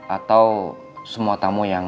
atau semua tamu yang